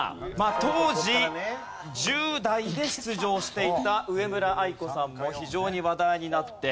当時１０代で出場していた上村愛子さんも非常に話題になって。